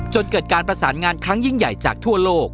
จนเกิดการประสานงานครั้งยิ่งใหญ่จากทั่วโลก